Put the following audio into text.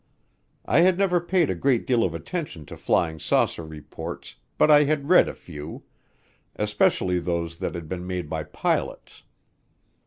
I had never paid a great deal of attention to flying saucer reports but I had read a few especially those that had been made by pilots.